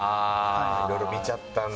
いろいろ見ちゃったんだ。